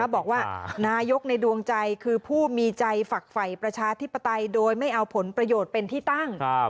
บอกว่านายกในดวงใจคือผู้มีใจฝักฝ่ายประชาธิปไตยโดยไม่เอาผลประโยชน์เป็นที่ตั้ง